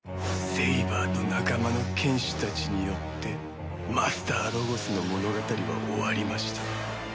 セイバーと仲間の剣士たちによってマスターロゴスの物語は終わりました。